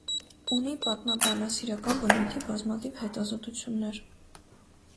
Ունի պատմաբանասիրական բնույթի բազմաթիվ հետազոտություններ։